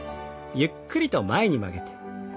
ゆっくりと前に曲げて。